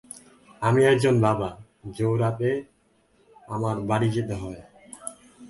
আমি একজন বাবা, জো রাতে আমার বাড়ি যেতে হয়।